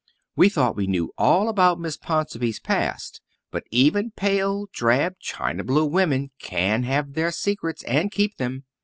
We thought we knew all about Miss Ponsonby's past; but even pale, drab, china blue women can have their secrets and keep them.